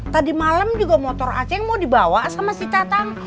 tadi malem juga motor aceh yang mau dibawa sama si tatang